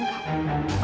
jadi mila mohon kak